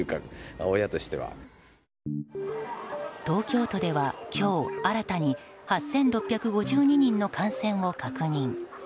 東京都では今日新たに８６５２人の感染を確認。